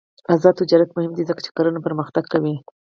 آزاد تجارت مهم دی ځکه چې کرنه پرمختګ کوي.